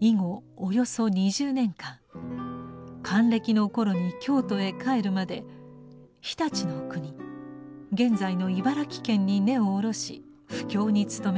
以後およそ２０年間還暦の頃に京都へ帰るまで常陸の国現在の茨城県に根を下ろし布教に努めました。